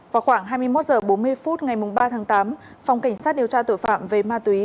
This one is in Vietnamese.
vào khoảng hai mươi một h bốn mươi phút ngày ba tháng tám phòng cảnh sát điều tra tội phạm về ma túy